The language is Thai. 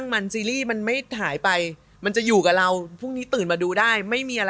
พอซีรีส์ดูกลางวัน